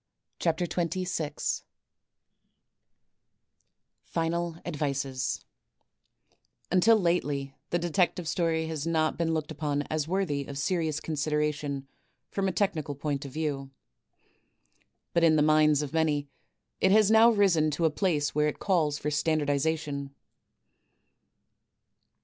CHAPTER xx^^ FINAL ADMCES Until Idtely the Detective Ston has not been looked upon OS worthy of serious consideration from a technical point of Wew. But in the minds of many it has now risen to a place where it cills tor standardization.